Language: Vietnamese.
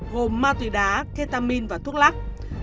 gồm ma túy đá ketamine và thuốc lắc